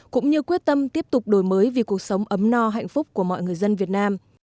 cũng như quyết tâm tiếp tục đổi mới vì cuộc sống ấm no hạnh phúc của mọi người dân việt nam